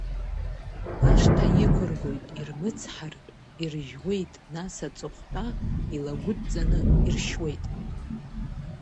Ашҭа иқәргоит, ирмыцҳартә, иржьуеит, нас аҵыхәтәа, илагәыдҵан иршьуеит.